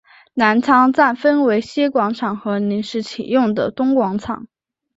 南昌站分为西广场和临时启用的东广场。